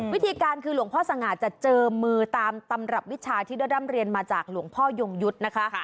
วิธีการคือหลวงพ่อสง่าจะเจอมือตามตำรับวิชาที่ได้ร่ำเรียนมาจากหลวงพ่อยงยุทธ์นะคะ